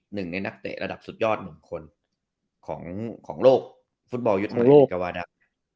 หนึ่งในนักเตะระดับสุดยอดหนึ่งคนของโลกฟุตบอลยุทธโมเดลเอกวาดะ